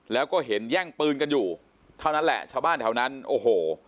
แล้วก็เห็นแย่งปืนกันอยู่เท่านั้นแหละชาวบ้านแถวนั้นโอ้โห